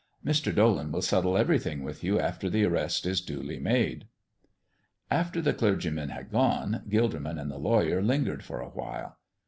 Mr. Dolan will settle everything with you after the arrest is duly made." After the clergymen had gone, Gilderman and the lawyer lingered for a while.